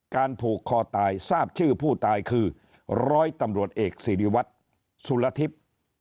ผูกคอตายทราบชื่อผู้ตายคือร้อยตำรวจเอกสิริวัตรสุรทิพย์